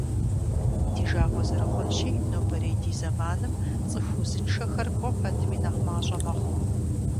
Ди жагъуэ зэрыхъунщи, нобэрей ди зэманым цӏыху узыншэхэр кӏуэ пэтми нэхъ мащӏэ мэхъу.